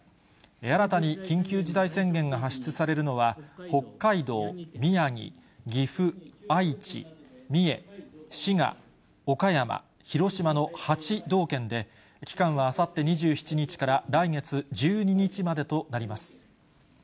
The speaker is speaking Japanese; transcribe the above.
新たに緊急事態宣言が発出されるのは、北海道、宮城、岐阜、愛知、三重、滋賀、岡山、広島の８道県で、期間はあさって２７日から来月１２日までとなります。